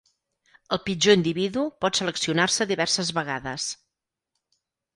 El pitjor individu pot seleccionar-se diverses vegades.